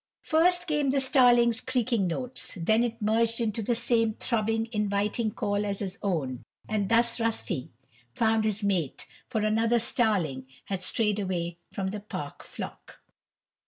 First came the starling's creaking notes, then it merged into the same throbbing, inviting call as his own, and thus Rusty found his mate, for another starling had strayed away from the park flock.